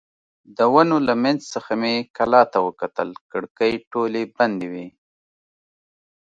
د ونو له منځ څخه مې کلا ته وکتل، کړکۍ ټولې بندې وې.